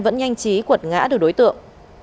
vẫn nhanh chí quật ngã được đối tượng